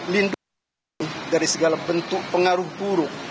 lindungi dari segala bentuk pengaruh buruk